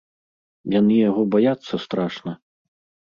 Яны яго баяцца страшна.